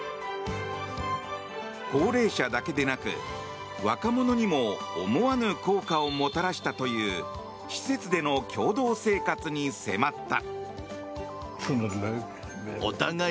高齢者だけでなく若者にも思わぬ効果をもたらしたという施設での共同生活に迫った。